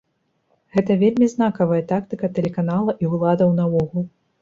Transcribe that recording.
Гэта вельмі знакавая тактыка тэлеканала і ўладаў наогул.